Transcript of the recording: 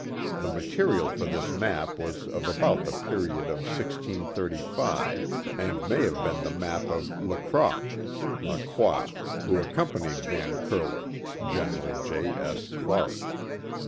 The material for this map was of about the period of 1635, and may have been the map of Lacrock (Lacrois) who accom panied Van Curler/' — Gen. J. S. Clark.)